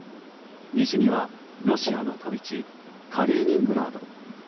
西にはロシアの飛び地カリーニングラード。